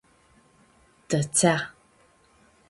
Tãtsea.